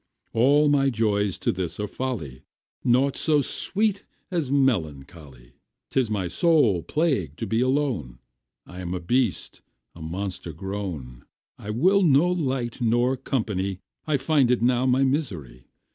All my joys to this are folly, Naught so sweet as melancholy. 'Tis my sole plague to be alone, I am a beast, a monster grown, I will no light nor company, I find it now my misery.